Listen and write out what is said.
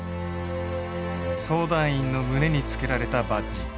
相談員の胸につけられたバッジ。